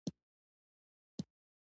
په خپل وطن کې پر حقیقت تکیه کوو.